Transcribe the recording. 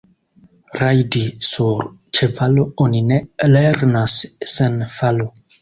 Rajdi sur ĉevalo oni ne lernas sen falo.